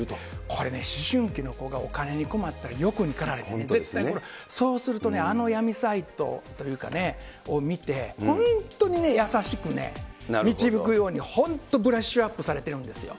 これね、思春期の子がお金に困ったり欲に駆られたり、絶対にこれ、そうするとね、あの闇サイトというかね、あれを見て、本当に優しくね、導くように、本当、ブラッシュアップされてるんですよ。